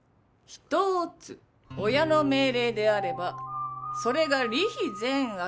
一つ親の命令であればそれが理非善悪？